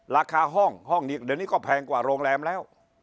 ราคาห้องห้องนี้เดี๋ยวนี้ก็แพงกว่าโรงแรมแล้ว